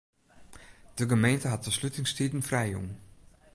De gemeente hat de slutingstiden frijjûn.